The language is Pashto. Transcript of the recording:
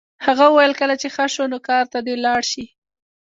هغه وویل کله چې ښه شو نو کار ته دې لاړ شي